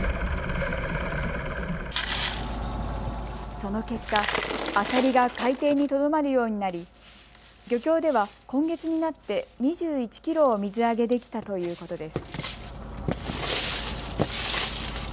その結果、アサリが海底にとどまるようになり漁協では今月になって２１キロを水揚げできたということです。